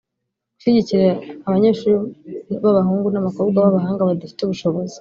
gushyigikira abanyeshuri b’abahungu n’abakobwa b’abahanga badafite ubushobozi